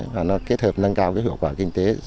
và nó kết hợp nâng cao cái hiệu quả kinh tế